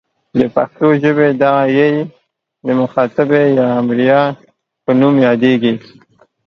د پښتو ژبې دغه ئ د مخاطبې او یا امریه په نوم یادیږي.